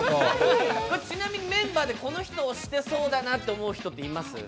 ちなみにメンバーでこの人、押してそうだなという人います？